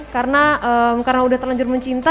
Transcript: karena eee karena udah terlanjur mencinta